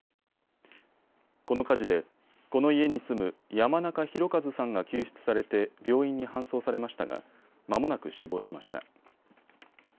この火事でこの家に住む山中宏一さんが救出されて病院に搬送されましたがまもなく死亡しました。